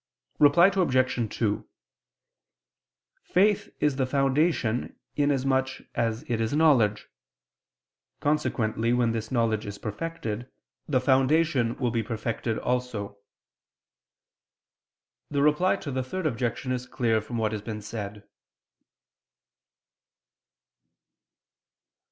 Reply Obj. 2: Faith is the foundation in as much as it is knowledge: consequently when this knowledge is perfected, the foundation will be perfected also. The Reply to the Third Objection is clear from what has been said.